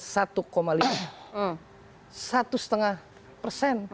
satu setengah persen